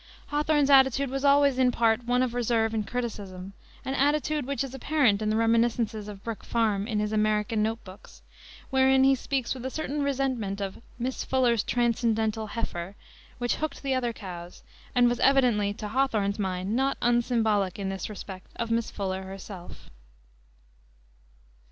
Hawthorne's attitude was always in part one of reserve and criticism, an attitude which is apparent in the reminiscences of Brook Farm in his American Note Books, wherein he speaks with a certain resentment of "Miss Fuller's transcendental heifer," which hooked the other cows, and was evidently to Hawthorne's mind not unsymbolic in this respect of Miss Fuller herself.